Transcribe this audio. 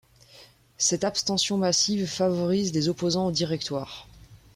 Cette abstention massive favorise les opposants au Directoire.